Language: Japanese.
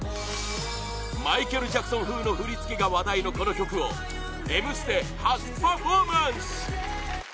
マイケル・ジャクソン風の振り付けが話題のこの曲を「Ｍステ」初パフォーマンス！